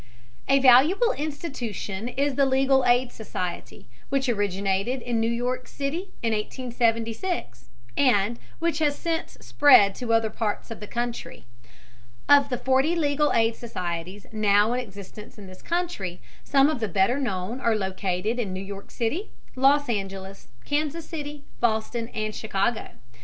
A valuable institution is the legal aid society, which originated in New York City in 1876, and which has since spread to other parts of the country. Of the forty legal aid societies now in existence in this country, some of the better known are located in New York City, Los Angeles, Kansas City, Boston, and Chicago.